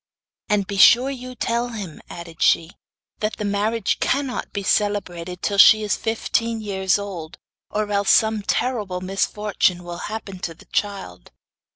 'And be sure you tell him,' added she, 'that the marriage cannot be celebrated till she is fifteen years old, or else some terrible misfortune will happen to the child.